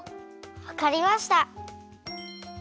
わかりました！